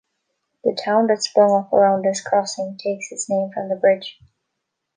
The town that sprung up around this crossing takes it name from the bridge.